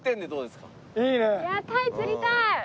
いやタイ釣りたい！